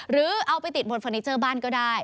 หรือเอาไปติดบนเฟอร์นิเจอร์บ้านก็ได้